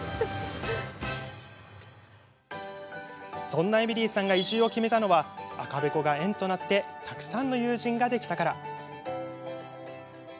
そんなエミリーさんが移住を決めたのは赤べこが縁となってたくさんの友人ができたから。